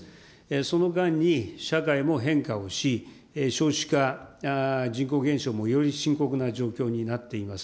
その間に社会も変化をし、少子化、人口減少もより深刻な状況になっています。